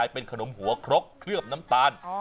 เป็นขนมหัวครกเคลือบน้ำตาล